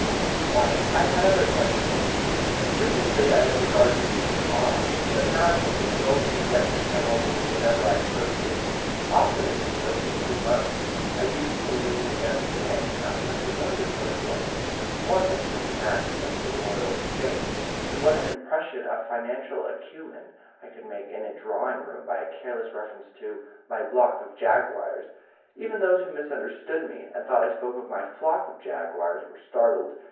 But I had other pleasures than these. Previously I had regarded the City with awe, but now I felt a glow of possession come over me whenever I approached it. Often in those first two months I used to lean against the Mansion House in a familiar sort of way; once I struck a match against the Royal Exchange. And what an impression of financial acumen I could make in a drawing room by a careless reference to my "block of Jaguars!" Even those who misunderstood me and thought I spoke of my "flock of Jaguars" were startled.